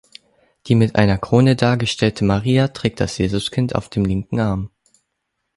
Die mit einer Krone dargestellte Maria trägt das Jesuskind auf dem linken Arm.